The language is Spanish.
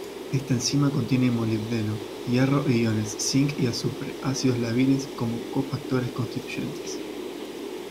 Esta enzima contiene molibdeno, hierro e iones cinc y azufre ácido-lábiles como cofactores constituyentes.